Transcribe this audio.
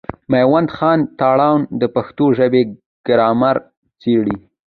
مېوند خان تارڼ د پښتو ژبي ګرامر څېړي.